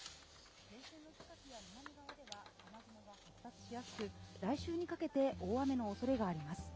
前線の近くや南側では雨雲が発達しやすく来週にかけて大雨のおそれがあります。